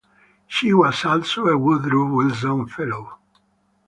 She was also a Woodrow Wilson fellow.